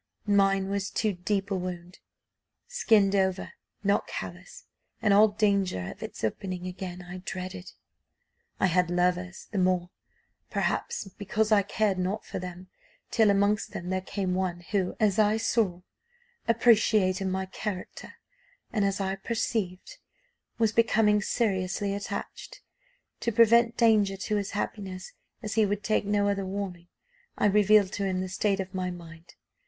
Mine was too deep a wound skinned over not callous, and all danger of its opening again I dreaded. I had lovers the more, perhaps, because I cared not for them; till amongst them there came one who, as I saw, appreciated my character, and, as I perceived, was becoming seriously attached. To prevent danger to his happiness, as he would take no other warning, I revealed to him the state of my mind.